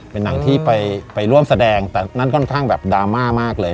เป็นหนังที่ไปร่วมแสดงแต่นั่นค่อนข้างแบบดราม่ามากเลย